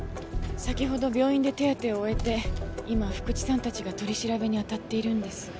先ほど病院で手当てを終えて今福知さんたちが取り調べにあたっているんですが。